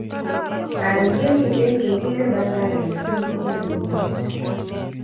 Karon kemiten ke kere Bandari fc kopir mpiret